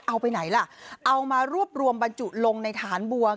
เอาไปไหนล่ะเอามารวบรวมบรรจุลงในฐานบัว